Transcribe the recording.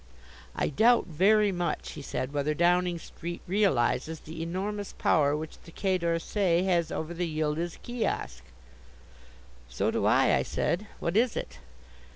"I doubt very much," he said, "whether Downing Street realizes the enormous power which the Quai d'Orsay has over the Yildiz Kiosk." "So do I," I said, "what is it?"